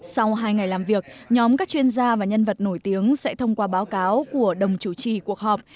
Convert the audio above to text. sau hai ngày làm việc nhóm các chuyên gia và nhân vật nổi tiếng sẽ thông qua báo cáo của đồng chủ trì cuộc họp